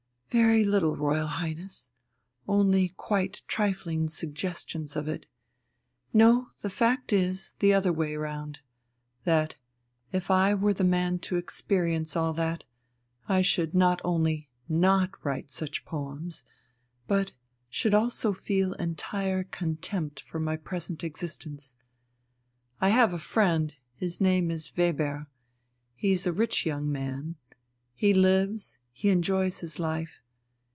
"Very little, Royal Highness. Only quite trifling suggestions of it. No, the fact is the other way round that, if I were the man to experience all that, I should not only not write such poems, but should also feel entire contempt for my present existence. I have a friend, his name is Weber; he's a rich young man; he lives, he enjoys his life.